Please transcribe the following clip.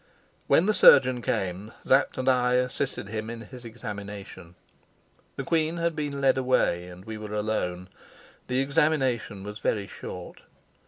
When the surgeon came Sapt and I assisted him in his examination. The queen had been led away, and we were alone. The examination was very short.